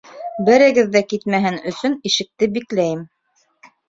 Берегеҙ ҙә китмәһен өсөн, ишекте бикләйем.